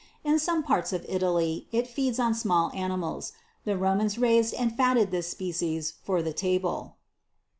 In some parts of Italy it feeds on small animals ; the Romans raised and fattened this species for the table.